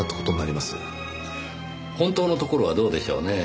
本当のところはどうでしょうねぇ。